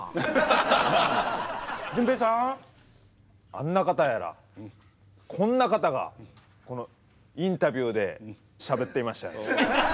あんな方やらこんな方がこのインタビューでしゃべっていましたよね。